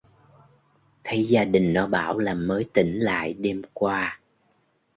thấy gia đình nó bảo là mới tỉnh lại đêm qua